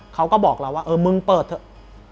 เขาก็บอกเราว่าเออมึงเปิดเถอะ